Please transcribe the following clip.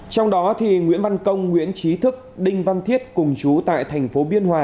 trong đó nguyễn văn công nguyễn trí thức đinh văn thiết cùng chú tại thành phố biên hòa